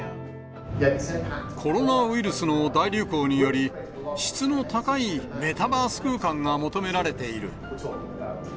コロナウイルスの大流行により、質の高いメタバース空間が求められている。